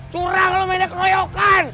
curang lu mainnya keroyokan